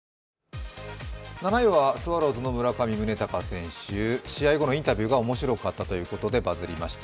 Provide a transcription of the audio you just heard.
７位はスワローズの村上宗隆選手、試合後のインタビューが面白かったということでバズりました。